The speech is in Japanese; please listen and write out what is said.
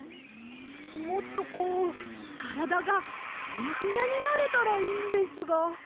もっとこうからだがふにゃふにゃになれたらいいんですが。